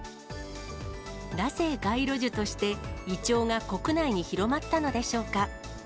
なぜ街路樹として、イチョウが国内に広まったのでしょうか。